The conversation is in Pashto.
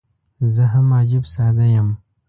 زه هم عجيب ساده یم.